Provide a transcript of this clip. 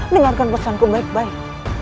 dengarkan pesanku baik baik